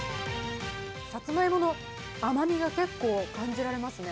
さつまいもの甘みが結構感じられますね。